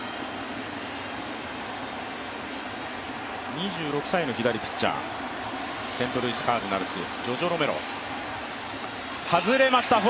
２６歳の左ピッチャー、セントルイス・カージナルスのジョジョ・ロメロ。